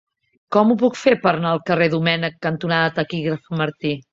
Com ho puc fer per anar al carrer Domènech cantonada Taquígraf Martí?